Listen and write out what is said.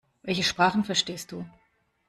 Welche Sprachen verstehst du?